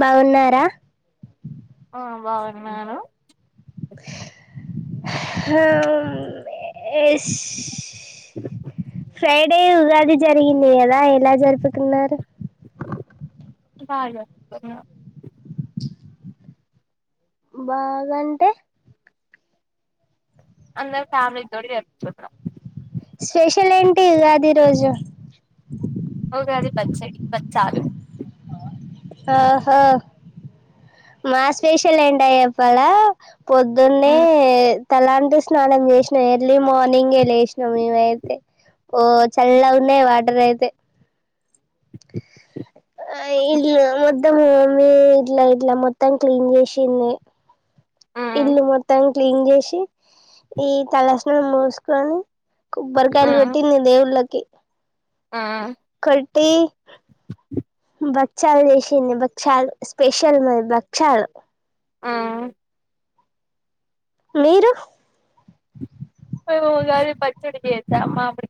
బాగున్నారా. ఆ బాగున్నాను. [inaudible] హమ్. ఎస్. ఫ్రైడే ఉగాది జరిగింది కదా ఎలా జరుపుకున్నారు. బ జరుపుకున్నాం. బాగాంటే. అందరూ ఫ్యామిలీ తోటి జరుపుకున్నాం. స్పెషల్ ఏంటి ఉగాది రోజు. ఉగాది పచ్చడి బచ్చాలు. ఆహో మా స్పెషల్ ఏంటో చెప్పాలా పొద్దున్నే హ్మ్ తలాంటూ స్నానం చేసినా ఎర్లీ మార్నింగ్ లే. వైష్ణ మేమైతే ఓ హ్మ్ చల్లగున్నై ఆ వాటర్ అయితే. అంతే. [inaudible] ఆ ఇల్ మద్. మొత్తం తోమి ఇట్లా ఇట్లా మొత్తం క్లీన్ చేసింది. హ్మ్ ఇల్లు మొత్తం. క్లీన్ చేసి ఈ తలస్నానం చేసుకొని. కొబ్బరి కాయలు హ్మ్ కొట్టింది దేవుళ్ళకు. కే. హ్మ్ కొట్టి బ. బచ్చలు చేసింది బచ్చలు స్పెషల్ మావి బక్షాలూ. ఆ. మీరు. నేను ఉగాది పచ్చడి చెత్తా మామిడి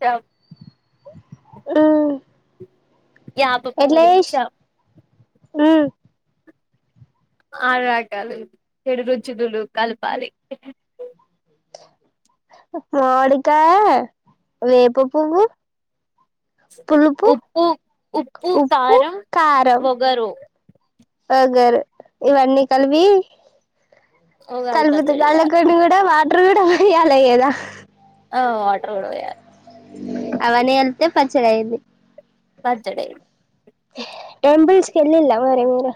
కాయలు. ఉమ్. యాప పువ్వు తెచ్చా. ఉమ్. ఆరు రకాలు చెడు రుచులు కలపాలి. మాడికాయ వేప పువ్వు. పులుపు ఉప్పు ఉప్పు కారం వగరు. వగరు ఇవన్ని కలిపి. ఉగాది కలుపుతూ పచ్చడి వల్ల చేయాలి కొని కూడా వాల్. రుడా యల ఎద. ఆ వాటర్ కూడా పోయాలి. అవన్నీ కల్పితే పచ్చడయిద్ది. పచ్చడి. ఆంబులెన్స్కి వెళ్ళ మరేమోర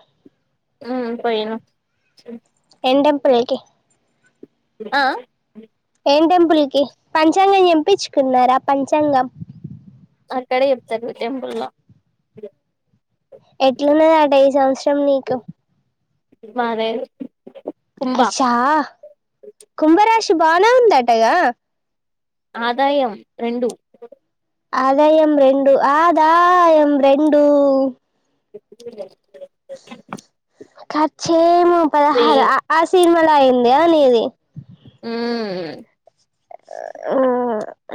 ఊ పోయినా ఏం టెంపుల్ కి ఆ ఏం టెంపుల్ కి పంచాంగం చంపించుకున్నారా పంచాంగం. అక్కడ చెప్తారు టెంపుల్లో ఎట్ల ఉన్నదటా ఈ సంవత్సరం నీకు మాదే అచ్చా కుంభరాజ్ బానే ఉందటగా ఆదాయం రెండు ఆదాయం రెండు ఆదాయం రెండు ఇ ఖచ్చేమో పదహారు ఆసీన్ మల్లా అయింద అనేది హ్మ్ ఉ ఆఓ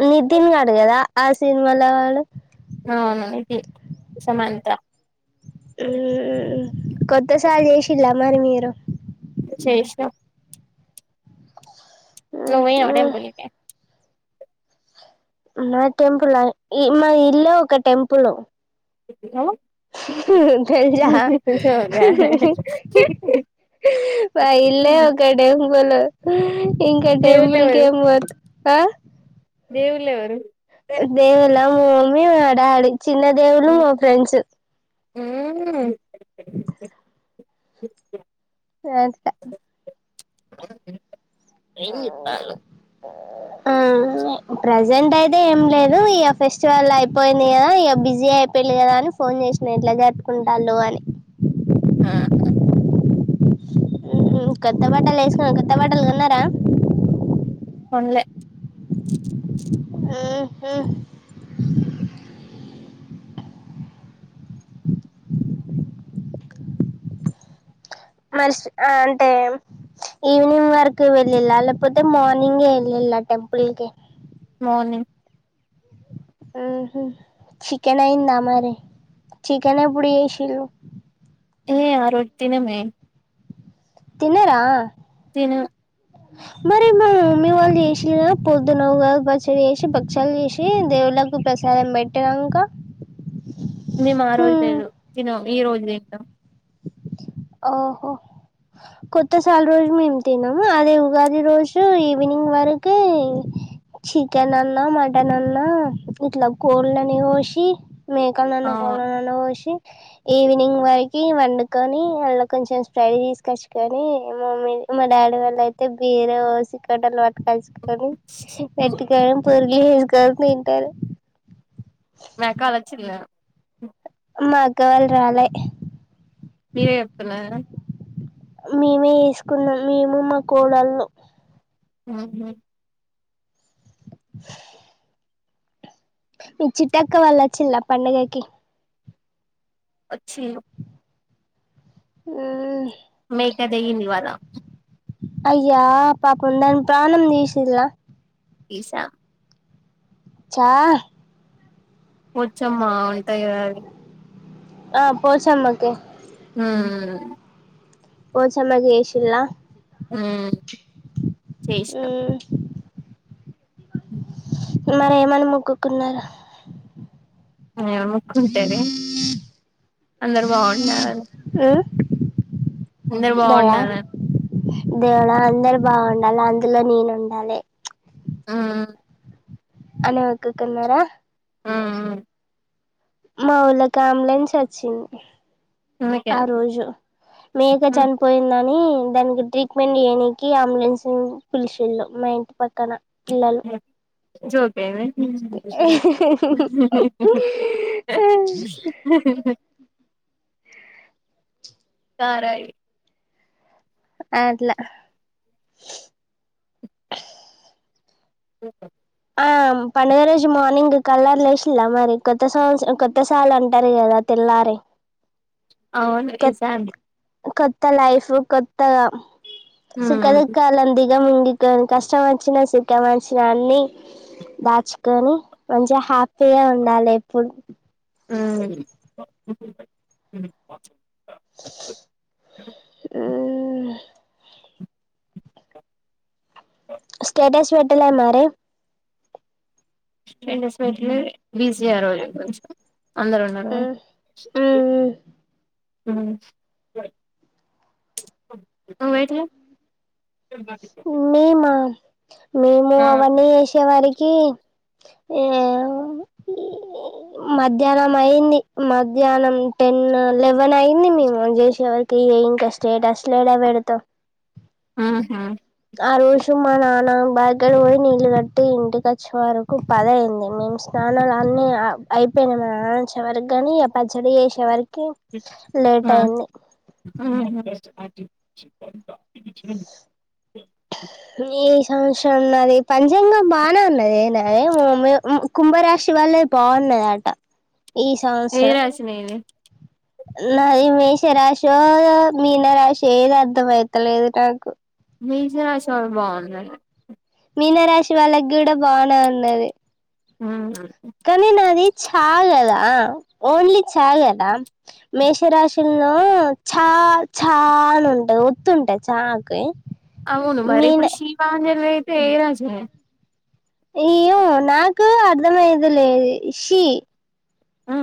నితిన్ ని అడుగదా ఆ సినిమాల వాళ అవును ఇది సమంత ఊ కొత్తసాయి చిలా మరి మీరు సేసినం ను ఉమ్, వయి అడేం ఉమ్, బూలిక నా టెంపుల్ మా ఇల్లే ఒక టెంపుల్ ఉ తె జోగా ప ఇళ ఒక ఒక డే పోలు ఆ ఇంకా దేవుళ్ళు టెంపుుల్ గేమ్ వదు దేవుళవరు దేవల మడా చిన్న దేవులు ఫ్రెండ్ంచ ఆ అట్లా ఏలో ఆ ప్రజెంట్ అయితే ఏం లేదు ఇక ఫెస్టివల్ అయిపోయింది కదా ఇక బిజీ అయిపోయిది కదా అని ఫోన్ చేసిన ఎట్లా జరుపుకుంటున్నారు అని ఆ కొత్త బటలు వేసుకొని కొత్త బటలు కొన్నారా కొండ్లే ఆహా మ అంటే ఈవినింగ్ వరకు వెళ్లిల్ల లేకపోతే మార్నింగ్ ఏ వెళ్లిల్లా టెంపుల్ కి మార్నింగ్ అహా చికెన్ అయ్యిందా మరి చికెన్ ఎప్పుడు చేసిం ఏ ఆరోజు తినమే తిన్నరా తిన్న మరి మీ వాళ్ళు చేసిండ్లే పొద్దున ఉగాది పచ్చడి చేసి భక్షాలు చేసి దేవుళ్ళలకు ప్రసాదం పెట్టినంక మేము ఆరోజు హ్మ్ తినం ఈరోజు తింటాం ఓహో కొత్తసాల రోజు మేము తినము అదే ఉగాది రోజు ఈవినింగ్ వరకు చికెన్ అన్నా మటన్ అన్నా ఇట్లా కోళ్లు నీ కోసి మేకాలన్న అవును కోళ్లను అన్న కోసి ఈవినింగ్ వరకి వండుకొని మల్ల కొంచెం స్ప్రైట్ తీసికచ్చుకొని మమ్మీ మా డాడీ వాళ్లు అయితే బీరు పోసుకొని పోసుకొని పెట్టు కోని [inaudible] నాకు అలా వచ్చింది ఏమో మా కాల్ రాలే మీరే చెప్తున్నారా మేమే వేసుకున్నాం మేము మా కోడళ్ళు అవున [unintelligible] మీ చిుట్టక్క వాళ్లు వచ్చిందా పండుగకి వచ్చి యి మీ అక్క దిగింది ఇవాళ అయ్యో పాపం దాని ప్రాణం తీసిండ్రా తీసా చా వచ్చమ్మా ఉంటాయి. కదా అవి ఆ పోచమ్మ కే ఉమ్ పోచమ్మాకి ఏసిండ్ల హుమ్మ్ చేస్న మ్మ్ మరి ఏమని మొక్కుకున్నారు. [unintelligible] ముక్కుంటేనే అందరూ బాగుండాలని మ్మ్ అందరు దయా బాగుండాలన్ దేవుడా అందరు బాగుండాల్న, అందులో నేను ఉండాలె ప్చ్ హమ్ అల ముక్కుకున్నారా హమ్ మాఓలకామ్లంచి వచ్చింది అందుకే ఆ రోజు మేక చనిపోయిందని దానికి ట్రీట్మెంట్ చేయడానికి అంబులెన్స్ పిలిచళ్ళు మా ఇంటి పక్కన ఇలాలో జోక్ ఏమి తరాయీ అట్లా ఓ ఆ పండుగ రోజు మార్నింగ్ కలర్ వేసినరా మరి కొత్త సంవస్ కొత్త సాలు అంటారు కదా తెల్లారి అవును కొ వేశం అండి కొత్త లైఫ్ కొత్తగా సుఖం ఉమ్ దుఃఖాల అండి గముంగకొని కష్టం వచ్చినా సుఖం వచ్చినా అన్ని దాచుకొని మంచిగా హ్యాపీగా ఉండాలి ఎప్పుడు హ్మ్ హ్మ్ స్టేటస్ పెట్టలే మరి స్టేటస్ పెట్టలే బిజీ ఆ రోజు కొంచెం అందరూ ఉన్నారా హమ్ వయిట్ మేమా మేము అవన్నీ వేసేవరికి మధ్యాహ్నం అయింది మధ్యాహ్నం టెన్ లెవెన్ అయింది మేము లేసేవరికి ఇంకా స్టేటస్ లు యాడ పెడతాం ఊహూ ఆ రోజు మా నాన్న బగగర పోయి నీళ్ళు కట్టి ఇంటికి వచ్చే వరకు పద అయింది మేము స్నానాలు అన్నీ అయిపోయినాయి మా నాన్న చివరికి కాని పచ్చడి చేసేవరికి కి లేట్ ఆ అయింది [unintelligible] రాశి ఉన్నది పంచాంగం బానే ఉన్నది నాదేమో కుంభరాశి వాళ్ళయి బాగున్నది ఆట ఏ రాశి నీది నాది మేషరాశో మీన రాశో ఏది అర్ధంమయితలేదు నాకు మేష రాశోళ్ళది బావుందంట మీనరాశి వాళ్ళకి కూడా బానే ఉన్నది ఊహూ కానీ నాది ఛాల్లేదా ఓన్లీ చాల్లేద మేషరాశుల్లో ఛా ఛా అని ఉంటాయి ఒత్తుంటాయి చాకి అవును మరి మీన ఇప్పుడు శీవాజల్వే [unintelligible] అయ్యో నాకు అర్థమయింది లే షి మ్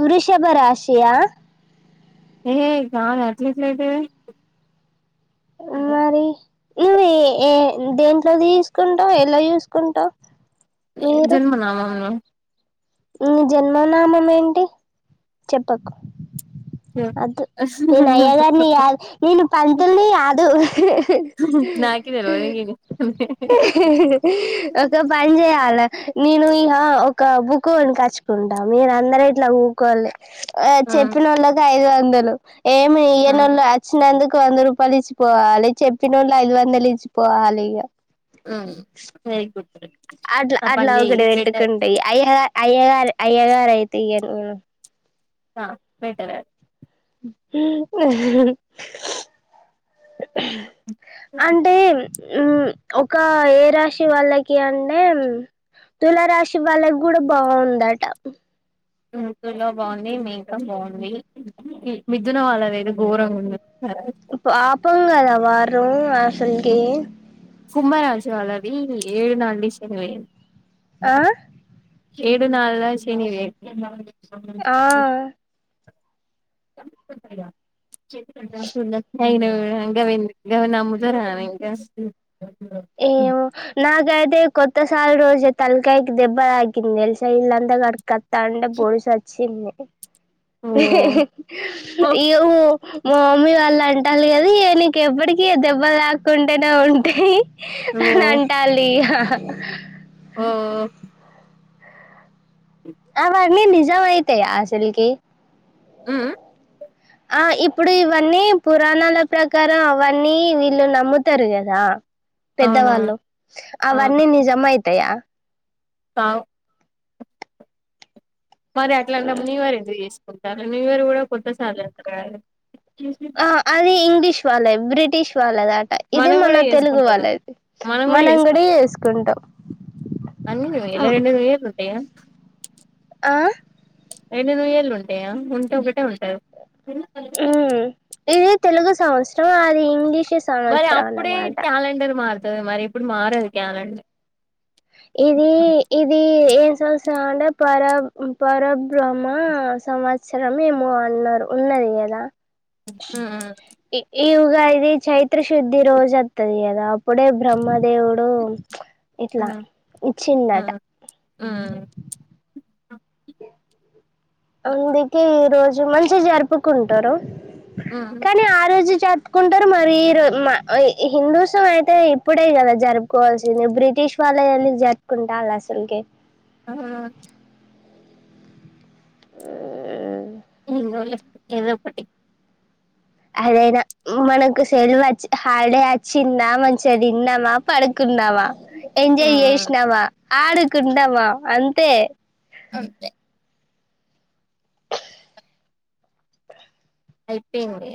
వృషభ రాశి యా ఏ కాదు అట్లెట్లైతది మరి నువ్వు ఏ ఏ దేంట్లో దీసుకుంటావు ఎలా చూసుకుంటావు మీరు జన్మనామాం ను నీ జన్మనామం ఏంటి చెప్పకు వద్దు నేను అయ్య గారిని కాదు నేను పంతుల్ని కాదు నాకే తెల్వదు ఇది ఒక పని చేయాల నేను ఈహ ఒక బుక్ బుక్ కొనుకొచ్చుకుంటా మీరు అందరూ ఇట్లా ఊక్కోని ఆ చెప్పిన వాళ్ళకి ఐదు వంద దను ఏమి ఆ ఈయనోళ్ళు అచ్చినందుకు అందరూ పలిచ్చిపోవాలి చెప్పినోళ్ళు ఐదు వందలిచ్చి పోవాలి ఇగ మ్ వెరీ గుడ్ అట్లా ఆ అట్లా పని చెయ్ ఒకటి బెటర్ పెట్టుకుంటు ఇగ అయ అయ్యగారు అయ్యగారు అయితే ఇయ్యను నేను ఆ బెటరె [inaudible] అది అంటే ఉమ్ ఒక ఏ రాశి వాళ్ళకి అంటే తుల రాశి వాళ్ళకి కూడా బావుందట మ్ తుల బావుంది మేకం బావుంది మిథున వాళ్ళది ఏదో ఘోరంగా ఉంది పాపం గాద వారు ఆ షంకి కుంభరాశి వాళ్ళది ఏడు నాళ్డి శనిబొయి ఆ ఏడు నాళ్ళ శని [inaudible] [inaudible] [inaudible] [inaudible] ఆ అయిన గూడా ఇంగ [inaudible] గవి నమ్ము జర గాని ఇంక ఉమ్ ఏ నాగ అదే కొత్తసారి రోజే తలకాయకి దెబ్బ ఆగింది ఇళ్లంతా కడికస్తా అంటే బొడిసు వచ్చింది ఓ ఓ ఇవ్ మా మమ్మీ వాళ్ళన్ ట్టలి అది నీకి ఎప్పటికిీ దెబ్బ తాక్కుంటేనే ఉంటయి అంటాలి ఓ అమర్ నీ నిజాయితి ఆశలకి ఉ ఉ ఆ ఇప్పుడు ఇవన్నీ పురాణాల ప్రకారం అవన్నీ వీళ్ళు నమ్ముతారు కదా పెద్దవాళ్ళు అవునవును అవును అవన్నీ నిజమయి తయా కావు మరి అట్లాంటప్పుడు న్యూ ఇయర్ ఎందుకు చేసి కొత్త ది న్యూ ఇయర్ కూడా కొత్త సాలె వెస్టారా ఆ అది ఇంగ్లిష్ వాలే బ్రిటిష్ వాల్ లగాట ఇది మనం కూడా మన తెలుగు చేసుకుంటాం వాళ్ళది మనం కూడా చేసుకుంటాం అన్ని న్యూ ఇయర్లు రెండు న్యూ ఇయర్లు ఉంటాయా ఆ రండు నూయ్యేళ్ళు ఉంటాయా ఉంటే ఒకటే ఉంటాది మ్ ఇది తెలుగు సంవస్ ఆ అది ఇంగ్లీష్ మరి సంవత్సరం అప్పుడే అన్నమాట క్యాలెండర్ మార్ త మరి ఇప్పుడు మారదు క్యాలెండ్ ఇది ఇది ఏం సంవత్సరం అంటే పర పరబ్రహ్మ సంవత్సరం ఏమో అన్నారు ఉన్నది కదా మ్మ్ ఈ ఏ ఈ ఉగాది ఇది చైత్రశుద్ధి రోజు వస్తుది కదా అప్పుడే బ్రహ్మ దేవుడు ఇట్లా హు ఇచ్చిండట హూ అందుకే ఈ రోజ్ ఇవి మంచిగా జరుపుకుంటారు ఉహు జప్పుకుంటారు మరి హిందూస్ అయితే ఇప్పుడే కదా జరుపుకోవాల్సింది బ్రిటిష్ వాళ్ళ ఎందుకు జరుపుకుంటారు అసలకే అవునా ఉమ్, ఉరోల్లె ఏదోఒకటి అదైనా మనకు సెల్వు వచ్చి హాలీడే అచ్చిందా మంచిగా తిన్నామ పడు కున్నావ ఎంజాయ్ మ్మ్ చేసినవ ఆడుకుంటామా అంతే అంతే అయిపేయింది